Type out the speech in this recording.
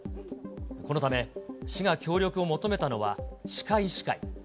このため、市が協力を求めたのは、歯科医師会。